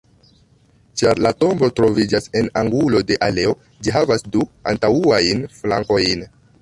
Ĉar la tombo troviĝas en angulo de aleo, ĝi havas du antaŭajn flankojn.